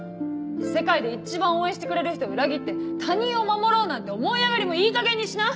世界で一番応援してくれる人を裏切って他人を守ろうなんて思い上がりもいいかげんにしな！